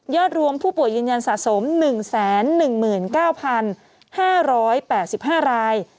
รวมผู้ป่วยยืนยันสะสม๑๑๙๕๘๕ราย